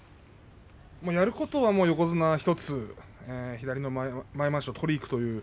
やることは横綱は１つ左の前まわしを取りにいくということ。